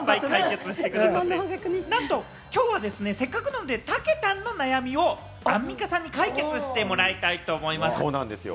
なんときょうはせっかくなので、たけたんの悩みをアンミカさんに解決してもらいたいと思います。